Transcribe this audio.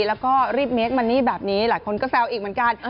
แล้วก็รีบเมคมันนี่แบบนี้หลายคนก็แซวอีกเหมือนกัน